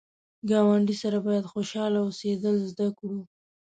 ګاونډي سره باید خوشحال اوسېدل زده کړو